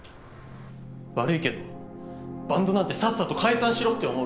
悪いけどバンドなんてさっさと解散しろって思うよ。